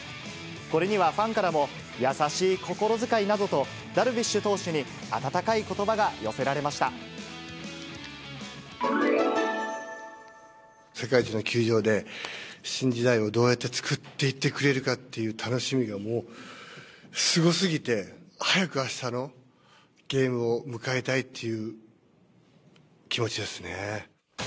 これにはファンからも優しい心遣いなどと、ダルビッシュ投手に温世界一の球場で、新時代をどうやって作っていってくれるかっていう楽しみがもうすごすぎて、早くあしたのゲームを迎えたいっていう気持ちですね。